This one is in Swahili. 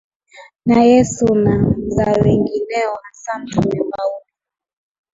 na Yesu na za wengineo hasa Mtume Paulo